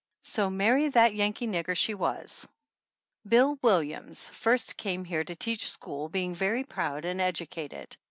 So marry that Yankee nigger she was !" Bill Williams first came here to teach school, being very proud and educated.